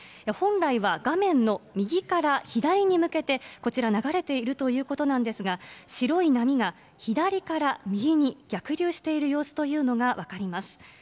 本来は画面の右から左に向けて、こちら流れているということなんですが、白い波が左から右に逆流している様子というのが分かります。